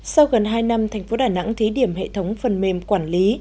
sau gần hai năm thành phố đà nẵng thí điểm hệ thống phần mềm quản lý